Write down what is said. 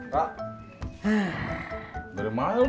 gak ada masalah bro